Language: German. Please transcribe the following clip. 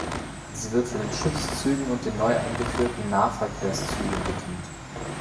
Sie wird von den Schiffszügen und den neu eingeführten Nahverkehrszügen bedient.